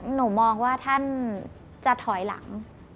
หนูมองว่าท่านจะถอยหลัง